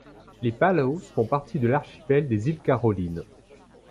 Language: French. Les Palaos font partie de l'archipel des îles Carolines.